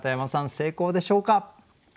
成功でしょうか？